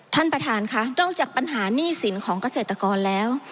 ท่านประธานค่ะนอกจากปัญหาหนี้สินของเกษตรกรแล้ว